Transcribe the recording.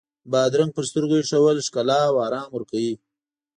بادرنګ پر سترګو ایښودل ښکلا او آرام ورکوي.